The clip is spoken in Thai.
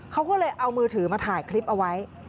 เขาก็เลยเอามือถือมาถ่ายคลิปเอาไว้